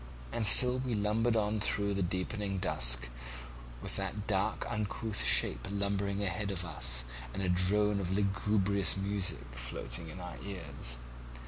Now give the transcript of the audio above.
And still we lumbered on through the deepening dusk, with that dark uncouth shape lumbering ahead of us, and a drone of lugubrious music floating in our ears.